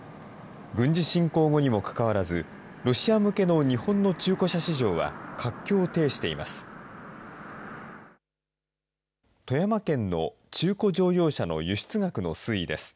軍事侵攻後にもかかわらず、ロシア向けの日本の中古車市場は活況を呈しています。